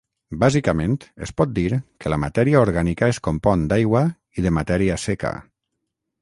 Bàsicament es pot dir que la matèria orgànica es compon d'aigua i de matèria seca.